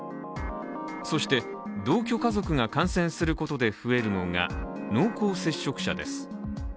そして、同居家族が感染することで増えるのが濃厚接触者です。